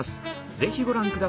ぜひご覧下さい。